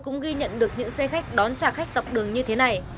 chúng tôi cũng ghi nhận được những xe khách đón trả khách dọc đường như thế này